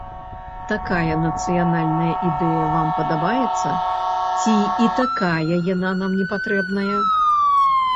Такая нацыянальная ідэя вам падабаецца ці і такая яна нам не патрэбная?